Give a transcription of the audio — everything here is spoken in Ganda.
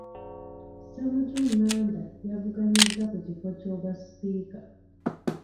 Ssemujju Nganda y'avuganyizza ku kifo ky'obwasipiika.